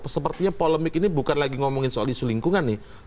sepertinya polemik ini bukan lagi ngomongin soal isu lingkungan nih